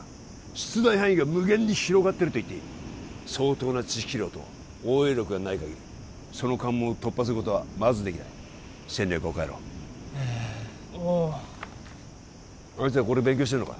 出題範囲が無限に広がってるといっていい相当な知識量と応用力がないかぎりその関門を突破することはまずできない戦略を変えろえあいつらここで勉強してんのか？